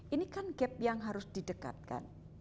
ini kan gap yang harus didekatkan